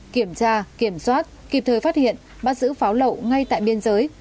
kiểm tra kiểm soát kịp thời phát hiện bắt giữ pháo lậu ngay tại biên giới